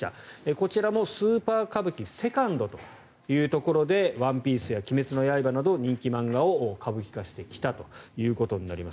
こちらもスーパー歌舞伎セカンドで「ＯＮＥＰＩＥＣＥ」や「鬼滅の刃」などを人気漫画を歌舞伎化してきたということになります。